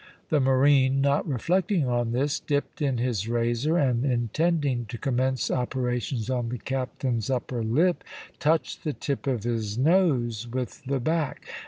The marine, not reflecting on this, dipped in his razor, and intending to commence operations on the captain's upper lip, touched the tip of his nose with the back.